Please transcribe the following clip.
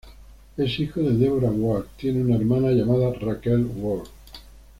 Es hijo de Deborah Ward, tiene una hermana llamada Rachel Ward.